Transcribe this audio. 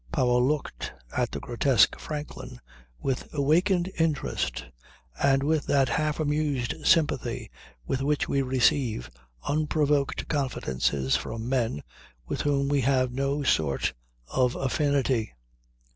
Powell looked at the grotesque Franklin with awakened interest and with that half amused sympathy with which we receive unprovoked confidences from men with whom we have no sort of affinity.